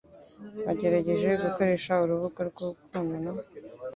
Wagerageje gukoresha urubuga rwo gukundana?